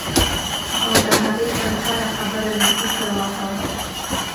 او د هغې پر هره خبره مې فکر واهه.